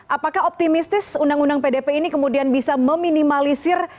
apakah optimistis undang undang pdp ini kemudian bisa meminimalisir